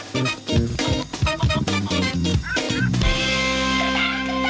โปรดติดตามตอนต่อไป